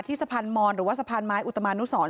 สะพานมอนหรือว่าสะพานไม้อุตมานุสร